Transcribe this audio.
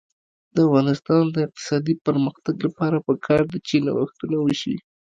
د افغانستان د اقتصادي پرمختګ لپاره پکار ده چې نوښتونه وشي.